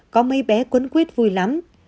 có mấy bé cuốn quyết vui lắm